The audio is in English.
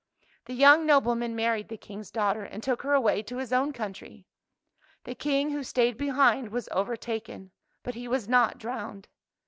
The young nobleman married the King's [138 1 THE SPRING IN THE VALLEY daughter, and took her away to his own country. The King, who stayed behind, was over taken, but he was not drowned.